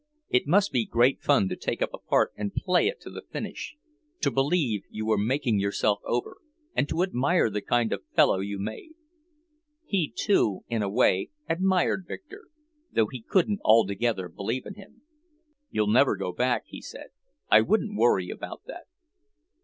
It must be great fun to take up a part and play it to a finish; to believe you were making yourself over, and to admire the kind of fellow you made. He, too, in a way, admired Victor, though he couldn't altogether believe in him. "You'll never go back," he said, "I wouldn't worry about that."